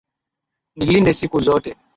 Nilinde siku zote.